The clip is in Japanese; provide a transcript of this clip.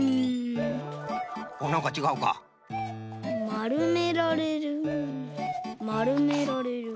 まるめられるまるめられる。